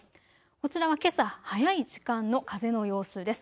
こちらはけさ早い時間の風の様子です。